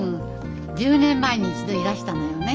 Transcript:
１０年前に一度いらしたのよね。